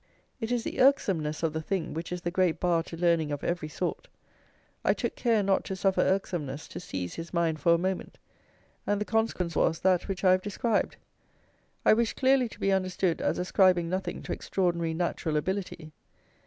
It is the irksomeness of the thing which is the great bar to learning of every sort. I took care not to suffer irksomeness to seize his mind for a moment, and the consequence was that which I have described. I wish clearly to be understood as ascribing nothing to extraordinary natural ability.